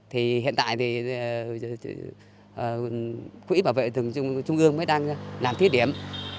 thì hiện tại thì quỹ bảo vệ rừng trung ương mới đang làm thí điểm